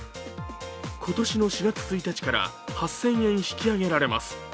今年の４月１日から８０００円引き上げられます。